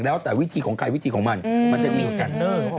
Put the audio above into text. แล้วแต่วิธีของใกล้วิธีของมันมันจะดีเหมือนกัน